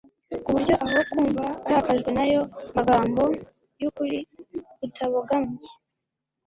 ku buryo aho kumva arakajwe n’ayo magambo y’ukuri kutabogamye